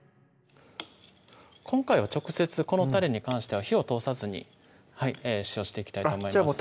今回は直接このたれに関しては火を通さずに使用していきたいと思います